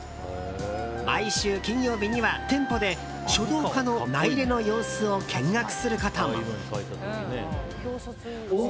毎週金曜日には店舗で書道家の名入れの様子を見学することも。